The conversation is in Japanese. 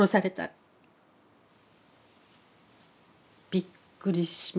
びっくりしました。